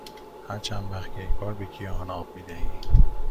هر چند وقت یک بار به گیاهان آب می دهی؟